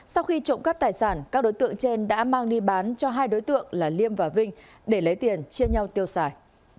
sau khi trộm cắp tài sản các đối tượng trên đã mang đi bán cho hai đối tượng là liêm và vinh để lấy tiền chia nhau tiêu xài